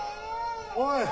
おい！